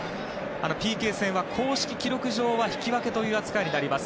ＰＫ戦は公式記録上は引き分けという扱いになります。